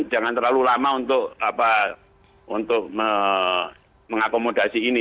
jangan terlalu lama untuk mengakomodasi ini